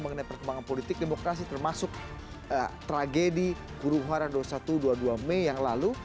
mengenai perkembangan politik demokrasi termasuk tragedi guru hara dua puluh satu dua puluh dua mei yang lalu